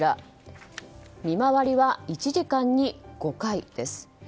見回りは１時間に５回です。